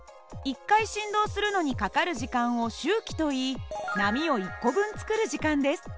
１回振動するのにかかる時間を周期といい波を１個分作る時間です。